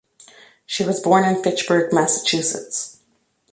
She was born in Fitchburg, Massachusetts.